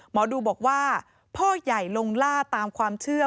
หมอดูบอกว่าพ่อใหญ่ลงล่าตามความเชื่อ